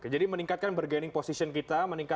jadi meningkatkan bergaining position kita